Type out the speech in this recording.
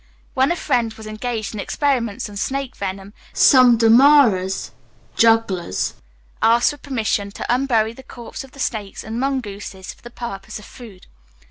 When a friend was engaged in experiments on snake venom, some Dommaras (jugglers) asked for permission to unbury the corpses of the snakes and mungooses for the purpose of food.